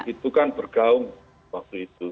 itu kan bergaung waktu itu